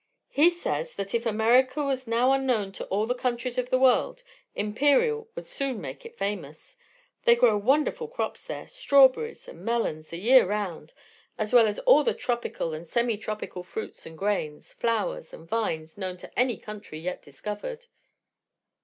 "He says that if America was now unknown to all the countries of the world, Imperial would soon make it famous. They grow wonderful crops there strawberries and melons the year around, as well as all the tropical and semi tropical fruits and grains, flowers and vines known to any country yet discovered."